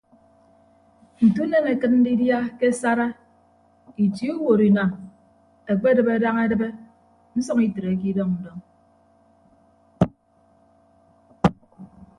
Nte unen akịt ndidia ke asara itie uwotunam ekpedịbe daña edịbe nsʌñ itreke idọñ ndọñ.